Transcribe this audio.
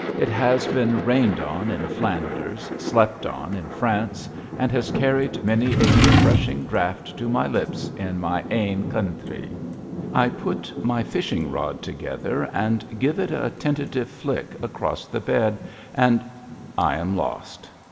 It has been rained on in Flanders, slept on in France, and has carried many a refreshing draft to my lips in my "ain countree." I put my fishing rod together and give it a tentative flick across the bed, and I am lost.